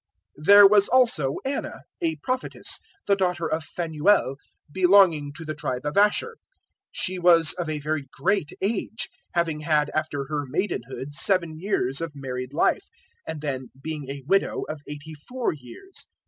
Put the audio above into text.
002:036 There was also Anna, a prophetess, the daughter of Phanuel, belonging to the tribe of Asher. She was of a very great age, having had after her maidenhood seven years of married life, 002:037 and then being a widow of eighty four years.